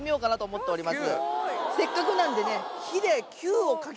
せっかくなんでね。